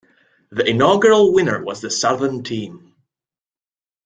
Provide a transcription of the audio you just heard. The inaugural winner was the Southern team.